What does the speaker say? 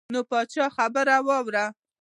نوي پاچا خبر راووړ.